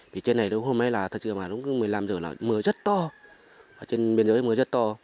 thì trên này đúng hôm nay là thật sự là đúng một mươi năm h là mưa rất to trên biên giới mưa rất to